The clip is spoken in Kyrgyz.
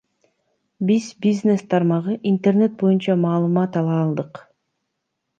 Биз бизнес тармагы, интернет боюнча маалымат ала алдык.